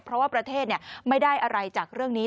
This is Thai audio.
เพราะว่าประเทศไม่ได้อะไรจากเรื่องนี้